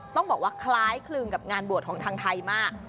ต้องบอกว่าคล้ายคลึงกับงานบวชของทางไทยมาก